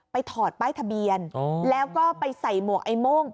ไปถอดใบทะเบียนแล้วก็ไปใส่หมวกอะไรที่ม่วงชอบ